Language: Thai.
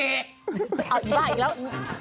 เอ๊าอีบ้าอีกแล้ว